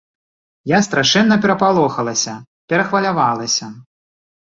Я страшэнна перапалохалася, перахвалявалася.